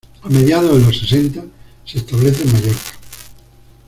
A mediados de los sesenta se establece en Mallorca.